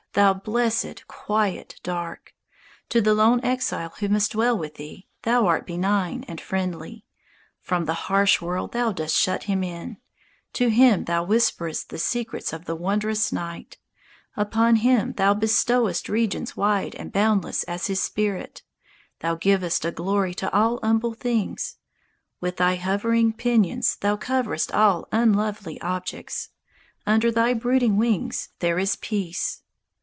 thou blessèd, quiet Dark! To the lone exile who must dwell with thee Thou art benign and friendly; From the harsh world thou dost shut him in; To him thou whisperest the secrets of the wondrous night; Upon him thou bestowest regions wide and boundless as his spirit; Thou givest a glory to all humble things; With thy hovering pinions thou coverest all unlovely objects; Under thy brooding wings there is peace.